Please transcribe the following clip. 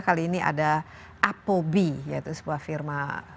kali ini ada apobi yaitu sebuah firma